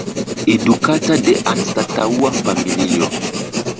Edukata de anstataŭa familio.